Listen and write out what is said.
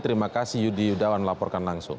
terima kasih yudi yudawan melaporkan langsung